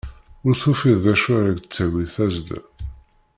Ur tufiḍ d acu ara k-d-tawi tazzla.